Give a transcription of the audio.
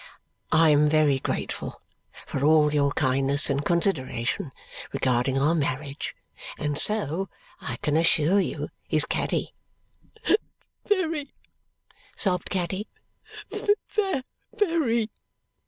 "I am very grateful for all your kindness and consideration regarding our marriage, and so, I can assure you, is Caddy." "Very," sobbed Caddy. "Ve ry!"